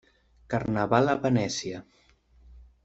Carnaval a Venècia.